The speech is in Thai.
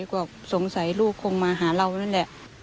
ก็สงสัยลูกคงมาหาเรานั่นแหละ